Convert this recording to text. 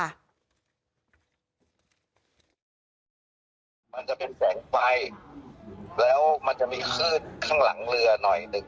มันจะเป็นแสงไฟแล้วมันจะมีคลื่นข้างหลังเรือหน่อยหนึ่ง